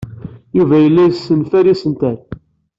Yuba yella yessenfal isental.